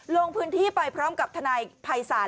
ลงพื้นที่ไปพร้อมกับทนายภัยศาล